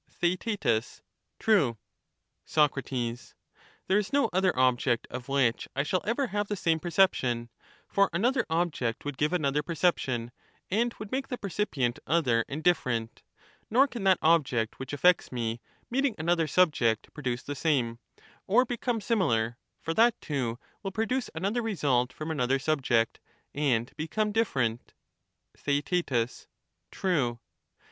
Theaet, True. Soc, There is no other object of which I shall ever have 160 the same perception, for another object would give another perception, and would make the percipient other and dif ferent ; nor can that object which affects me, meeting another subject, produce the same, or become similar, for that too will produce another result from another subject, and become different. Theaet, True.